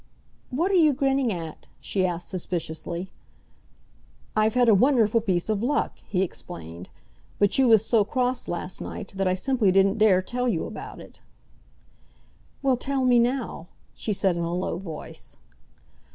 "What are you grinning at?" she asked suspiciously. "I've had a wonderful piece of luck," he explained. "But you was so cross last night that I simply didn't dare tell you about it." "Well, tell me now," she said in a low voice.